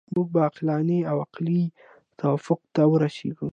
موږ به عقلاني او عقلایي توافق ته ورسیږو.